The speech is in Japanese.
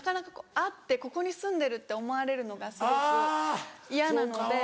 会って「ここに住んでる」って思われるのがすごく嫌なので。